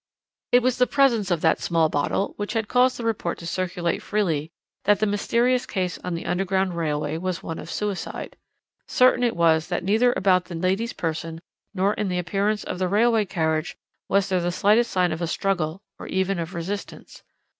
"It was the presence of that small bottle which had caused the report to circulate freely that the mysterious case on the Underground Railway was one of suicide. Certain it was that neither about the lady's person, nor in the appearance of the railway carriage, was there the slightest sign of struggle or even of resistance.